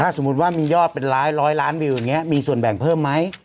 สมมุติว่ามียอดเป็นร้อยล้านวิวอย่างนี้มีส่วนแบ่งเพิ่มไหม